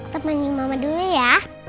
temanin mama dulu ya